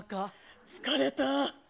疲れた。